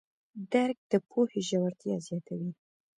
درک د پوهې ژورتیا زیاتوي.